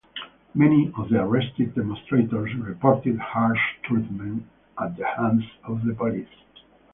Many of the arrested demonstrators reported harsh treatment at the hands of the police.